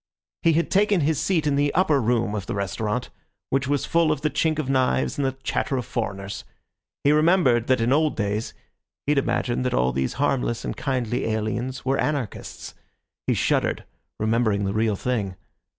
He had taken his seat in the upper room of the restaurant, which was full of the chink of knives and the chatter of foreigners. He remembered that in old days he had imagined that all these harmless and kindly aliens were anarchists. He shuddered, remembering the real thing.